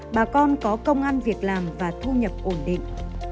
bà con có công an việc làm và thu nhập ổn định